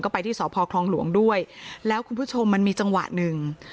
ไปที่สพคลองหลวงด้วยแล้วคุณผู้ชมมันมีจังหวะหนึ่ง